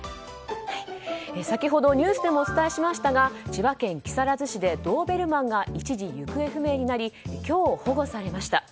先ほどニュースでもお伝えしましたが千葉県木更津市でドーベルマンが一時、行方不明になり今日、保護されました。